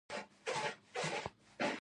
ایا دا مجسمې کټ مټ یو شان وې.